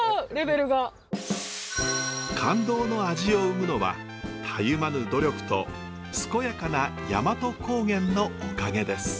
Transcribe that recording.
感動の味を生むのはたゆまぬ努力と健やかな大和高原のおかげです。